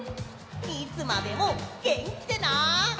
いつまでもげんきでな！